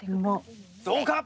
どうか？